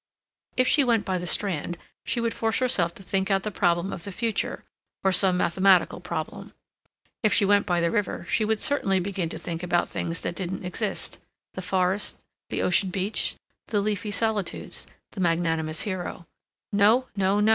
If she went by the Strand she would force herself to think out the problem of the future, or some mathematical problem; if she went by the river she would certainly begin to think about things that didn't exist—the forest, the ocean beach, the leafy solitudes, the magnanimous hero. No, no, no!